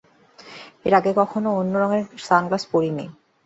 এর আগে কখনো অন্য রঙের সানগ্লাস পরিনি!